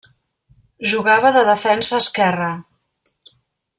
Jugava de defensa esquerre.